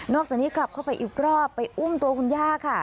จากนี้กลับเข้าไปอีกรอบไปอุ้มตัวคุณย่าค่ะ